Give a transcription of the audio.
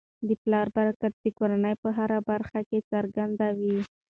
د پلار برکت د کورنی په هره برخه کي څرګند وي.